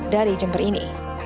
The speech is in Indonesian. dari jember ini